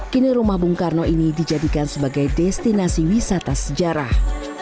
kini rumah bung karno ini dijadikan sebagai destinasi wisata sejarah